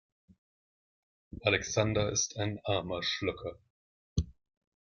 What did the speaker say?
Alexander ist ein armer Schlucker.